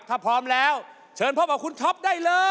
ถ้าพร้อมแล้วเชิญพบกับคุณท็อปได้เลย